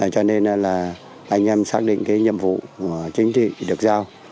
cho nên là anh em xác định cái nhiệm vụ của chính trị được giao